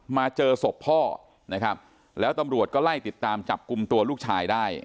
มาเจอศพพ่อนะครับแล้วตำรวจก็ไล่ติดตามจับกลุ่มตัวลูกชายได้